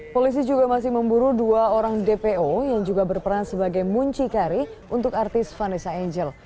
polisi juga masih memburu dua orang dpo yang juga berperan sebagai muncikari untuk artis vanessa angel